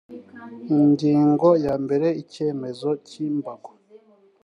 ingingo ya mbere icyemezo cy imbago